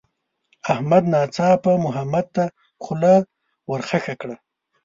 احمد ناڅاپه محمد ته خوله ورخښه کړه.